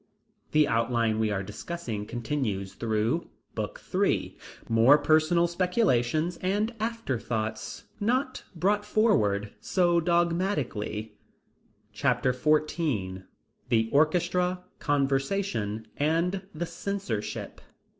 The outline we are discussing continues through Book III More Personal Speculations and Afterthoughts Not Brought Forward so Dogmatically. Chapter XIV The Orchestra, Conversation, and the Censorship.